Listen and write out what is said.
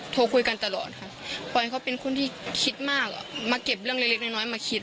โทรคุยกันตลอดค่ะปอยเขาเป็นคนที่คิดมากมาเก็บเรื่องเล็กน้อยมาคิด